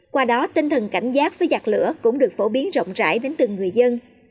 qua đó tinh thần cảnh giác với giặt lửa cũng được phổ biến rộng rãi đến từng người dân